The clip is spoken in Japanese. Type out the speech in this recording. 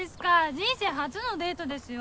人生初のデートですよ！